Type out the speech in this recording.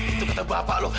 itu kata bapak lo